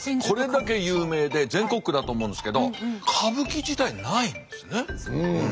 これだけ有名で全国区だと思うんですけど歌舞伎自体ないんですね。